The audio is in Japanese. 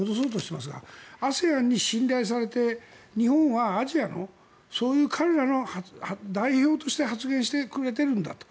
ＡＳＥＡＮに信頼されて日本はアジアのそういう彼らの代表として発言してくれているんだと。